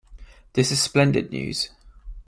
This is splendid news.